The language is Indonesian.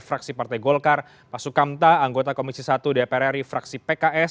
fraksi partai golkar pak sukamta anggota komisi satu dpr ri fraksi pks